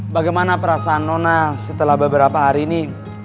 bagaimana perasaan nona setelah beberapa hari ini